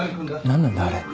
何なんだあれ。